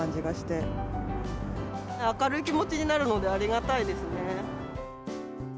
明るい気持ちになるので、ありがたいですね。